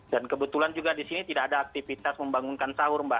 dan kebetulan juga di sini tidak ada aktivitas membangunkan sahur mbak